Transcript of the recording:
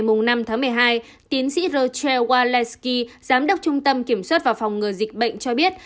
trong ngày năm tháng một mươi hai tiến sĩ rochelle walensky giám đốc trung tâm kiểm soát và phòng ngừa dịch bệnh cho biết